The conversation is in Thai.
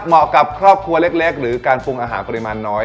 เหมาะกับครอบครัวเล็กหรือการปรุงอาหารปริมาณน้อย